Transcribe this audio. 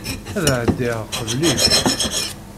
Ad εeddiɣ qbel-ik.